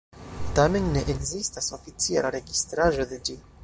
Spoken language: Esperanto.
Tamen ne ekzistas oficiala registraĵo de ĝi.